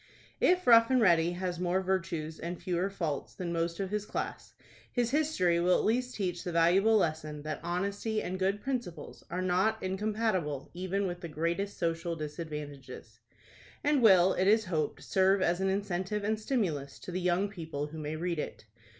If "Rough and Ready" has more virtues and fewer faults than most of his class, his history will at least teach the valuable lesson that honesty and good principles are not incompatible even with the greatest social disadvantages, and will, it is hoped, serve as an incentive and stimulus to the young people who may read it.